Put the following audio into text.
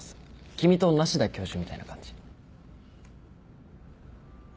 君と梨多教授みたいな感じ。